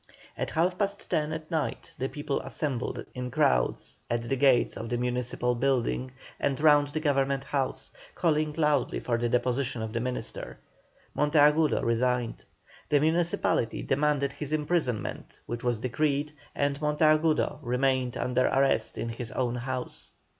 At half past ten at night the people assembled in crowds at the gates of the municipal building and round the government house, calling loudly for the deposition of the minister. Monteagudo resigned. The municipality demanded his imprisonment, which was decreed, and Monteagudo remained under arrest in his own house.